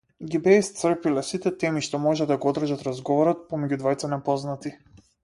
Ги беа исцрпиле сите теми што можеа да го одржат разговорот помеѓу двајца непознати.